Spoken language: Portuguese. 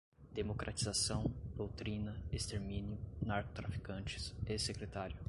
democratização, doutrina, extermínio, narcotraficantes, ex-secretário